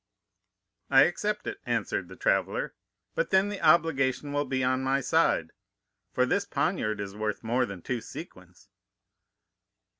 "'I accept it,' answered the traveller, 'but then the obligation will be on my side, for this poniard is worth more than two sequins.